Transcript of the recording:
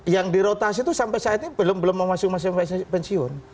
yang dirotasi itu sampai saat ini belum mau masuk masa pensiun